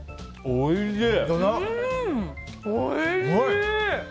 おいしい！